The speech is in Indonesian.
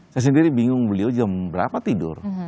saya sendiri bingung beliau jam berapa tidur